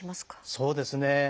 そうですね。